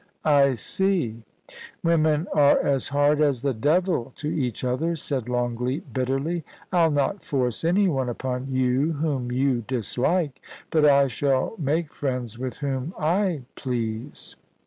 * I see ; women are as hard as the devil to each other,' said Longleat, bitterly. * I'll not force anyone upon you whom you dislike ; but I shall make friends with whom I please.'